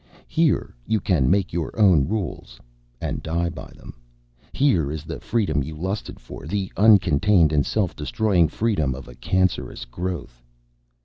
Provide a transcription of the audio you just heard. Here you can make your own rules, and die by them. Here is the freedom you lusted for; the uncontained and self destroying freedom of a cancerous growth."